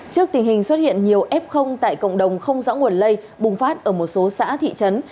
trước tình hình xuất hiện nhiều f tại cộng đồng không rõ nguồn lây bùng phát ở một số xã thị trấn